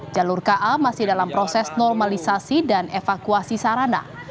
jalur ka masih dalam proses normalisasi dan evakuasi sarana